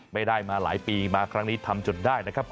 ไม่ได้มาหลายปีมาครั้งนี้ทำจนได้นะครับ